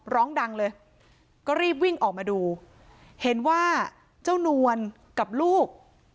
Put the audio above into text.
ร้องดังเลยก็รีบวิ่งออกมาดูเห็นว่าเจ้านวลกับลูก